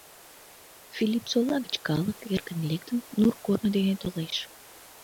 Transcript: Филиппсола гыч калык, эркын лектын, нур корно дене толеш.